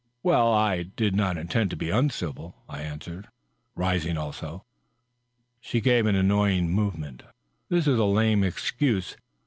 " Well, I did not intend it to be uncivil," I answered, rising also. She gave an annoyed movement. " That is a lame enough excuse.